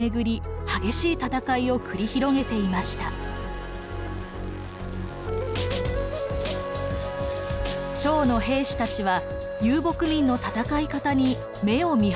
趙の兵士たちは遊牧民の戦い方に目をみはりました。